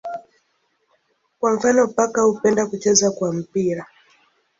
Kwa mfano paka hupenda kucheza kwa mpira.